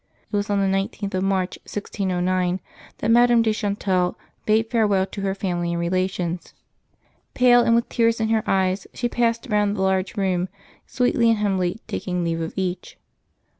It was on the 19th of March, 1609, that Madame de Chan tal bade farewell to her family and relations. Pale, and with tears in her eyes, she passed round the large room, sweetly and humbly taking leave of each.